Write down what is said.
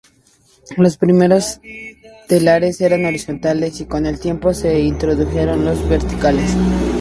Los primeros telares eran horizontales, y con el tiempo se introdujeron los verticales.